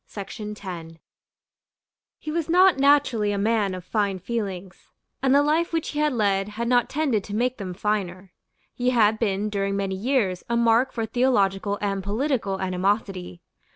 He was not naturally a man of fine feelings; and the life which he had led had not tended to make them finer. He had been during many years a mark for theological and political animosity.